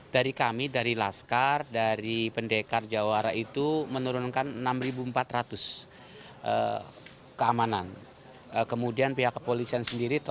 dari kami dari laskar dari pendekar jawara itu menurunkan enam empat ratus